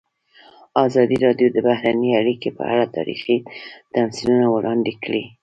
ازادي راډیو د بهرنۍ اړیکې په اړه تاریخي تمثیلونه وړاندې کړي.